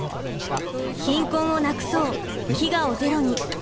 「貧困をなくそう」「飢餓をゼロに」